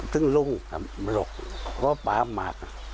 ถึงลุงลบปากมาก